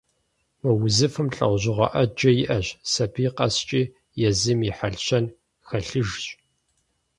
Мы узыфэм лӀэужьыгъуэ Ӏэджэ иӀэщ, сабий къэскӀи езым и хьэл-щэн хэлъыжщ.